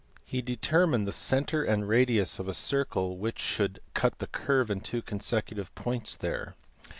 He determined the centre and radius of a circle which should cut the curve in two consecutive points there.